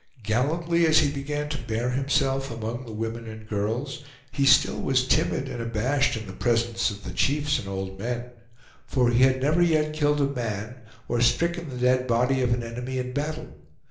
Gallantly as he began to bear himself among the women and girls, he still was timid and abashed in the presence of the chiefs and old men; for he had never yet killed a man, or stricken the dead body of an enemy in battle.